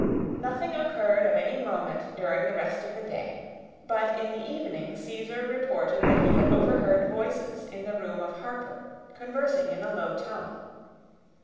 Nothing occurred of any moment during the rest of the day; but in the evening Caesar reported that he had overheard voices in the room of Harper, conversing in a low tone.